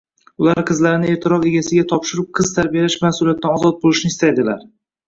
Ular qizlarini ertaroq egasiga topshirib, qiz tarbiyalash mas`uliyatidan ozod bo`lishni istaydilar